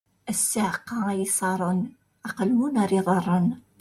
A ssiεqa ay iṣaṛen: aqelmun ar iḍaṛṛen!